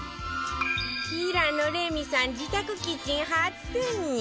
平野レミさん自宅キッチン初潜入